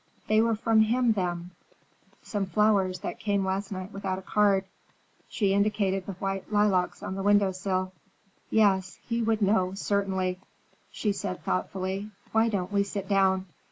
They were from him, then—some flowers that came last night without a card." She indicated the white lilacs on the window sill. "Yes, he would know, certainly," she said thoughtfully. "Why don't we sit down?